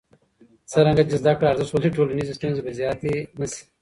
څرنګه چې زده کړه ارزښت ولري، ټولنیزې ستونزې به زیاتې نه شي.